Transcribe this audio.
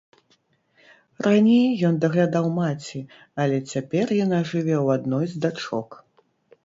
Раней ён даглядаў маці, але цяпер яна жыве ў адной з дачок.